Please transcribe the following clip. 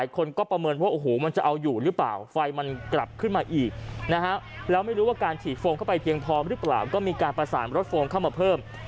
ก็มีการประสานรถโฟนเข้ามาเพิ่ม